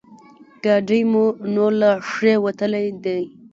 ګاډی مو نور له ښې وتلی دی.